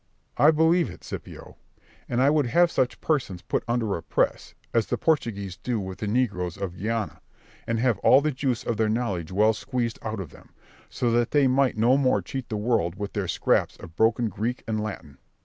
Berg. I believe it, Scipio; and I would have such persons put under a press, as the Portuguese do with the negroes of Guinea, and have all the juice of their knowledge well squeezed out of them, so that they might no more cheat the world with their scraps of broken Greek and Latin.